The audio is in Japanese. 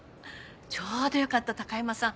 ちょうどよかった高山さん